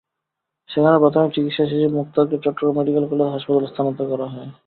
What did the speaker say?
সেখানে প্রাথমিক চিকিৎসা শেষে মোক্তারকে চট্টগ্রাম মেডিকেল কলেজ হাসপাতালে স্থানান্তর করা হয়।